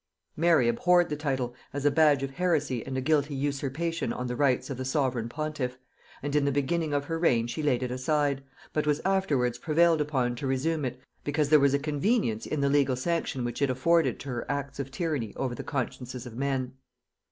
Mary abhorred the title, as a badge of heresy and a guilty usurpation on the rights of the sovereign pontiff, and in the beginning of her reign she laid it aside, but was afterwards prevailed upon to resume it, because there was a convenience in the legal sanction which it afforded to her acts of tyranny over the consciences of men.